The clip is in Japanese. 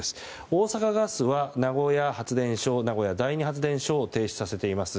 大阪ガスは名古屋発電所名古屋第二発電所を停止させています。